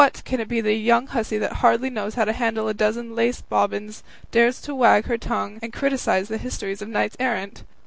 can it be that a young hussy that hardly knows how to handle a dozen lace bobbins dares to wag her tongue and criticise the histories of knights errant?